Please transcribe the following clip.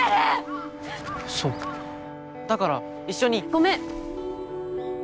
ごめん。